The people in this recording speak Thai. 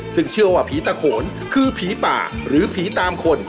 ซึ่งเชื่อว่าผีตะโขนคือผีป่าหรือผีตามคน